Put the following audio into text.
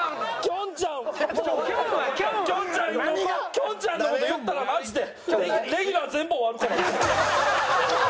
きょんちゃんの事言ったらマジでレギュラー全部終わるから。